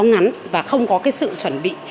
ngắn và không có cái sự chuẩn bị